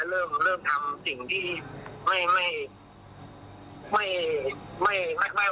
แล้วเริ่มทำสิ่งที่ไม่โอเค